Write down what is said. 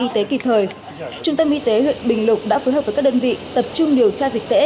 trung tâm y tế huyện bình lục đã phối hợp với các đơn vị tập trung điều tra dịch tễ